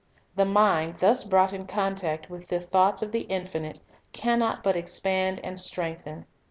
The mind thus brought in contact with the thoughts of the Infinite can not but expand and strengthen.